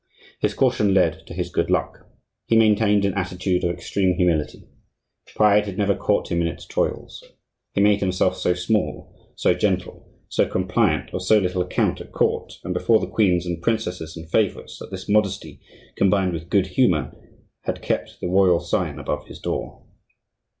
His caution led to his good luck. He maintained an attitude of extreme humility. Pride had never caught him in its toils. He made himself so small, so gentle, so compliant, of so little account at court and before the queens and princesses and favorites, that this modesty, combined with good humor, had kept the royal sign above his door.